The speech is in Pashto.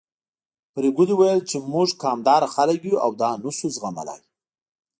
پري ګلې ويل چې موږ قامداره خلک يو او دا نه شو زغملی